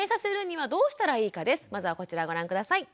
まずはこちらご覧下さい。